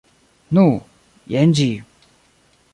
Nu, jen ĝi.